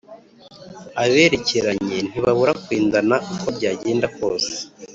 Aberekeranye ntibabura kwendana uko byagenda kose